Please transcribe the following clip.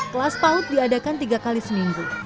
kelas paut diadakan tiga kali seminggu